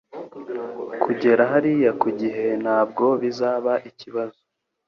Kugera hariya ku gihe ntabwo bizaba ikibazo